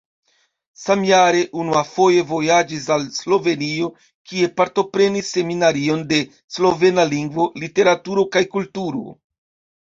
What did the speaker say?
Samjare unuafoje vojaĝis al Slovenio, kie partoprenis Seminarion de slovena lingvo, literaturo kaj kulturo.